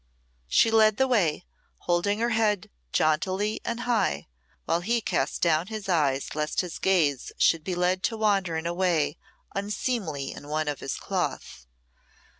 She led the way, holding her head jauntily and high, while he cast down his eyes lest his gaze should be led to wander in a way unseemly in one of his cloth.